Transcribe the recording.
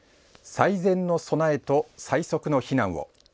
最善の備えと最速の避難を。